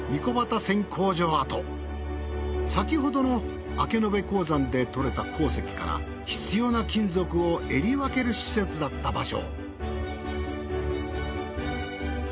先ほどの明延鉱山で採れた鉱石から必要な金属を選り分ける施設だった場所。